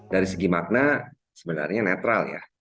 dari segi makna sebenarnya netral ya